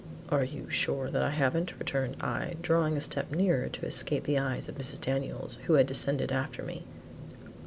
"Are you sure that I haven't?" returned I, drawing a step nearer to escape the eyes of Mrs. Daniels who had descended after me.